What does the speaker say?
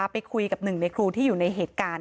ไปคุยกับหนึ่งในครูที่อยู่ในเหตุการณ์